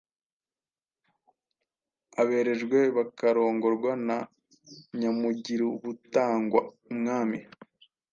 aberejwe bakarongorwa na Nyamugirubutangwa (umwami),